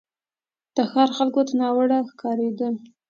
د ښار خلکو ته ناوړه ښکارېدی.